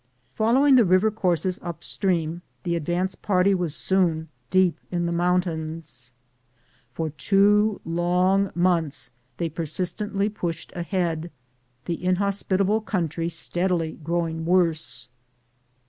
Following the river courses up stream, the advance party was soon deep in the mountains. For two loog months they persistently pushed ahead, the inhospitable country steadily growing worse.